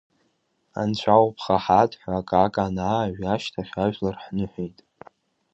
Анцәа улԥха ҳаҭ ҳәа акака анаажә ашьҭахь, ажәлар ҳныҳәеит.